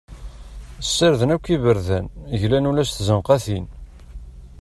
Ssarden akk iberdan, glan ula s tzenqatin.